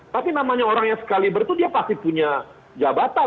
tapi namanya orang yang sekaliber itu dia pasti punya jabatan